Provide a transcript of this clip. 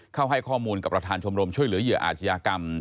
ให้ข้อมูลกับประธานชมรมช่วยเหลือเหยื่ออาชญากรรม